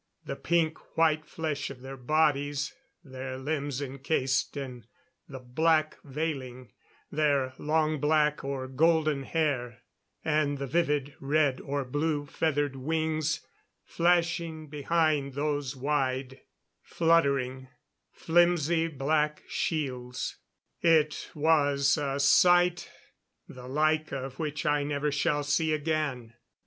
The pink white flesh of their bodies; their limbs incased in the black veiling; their long black or golden hair; and the vivid red or blue feathered wings flashing behind those wide, fluttering, flimsy black shields it was a sight the like of which I never shall see again.